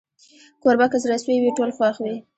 کوربه که زړه سوي وي، ټول خوښ وي.